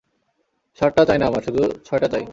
সাতটা চাই না আমার, শুধু ছয়টা চাই!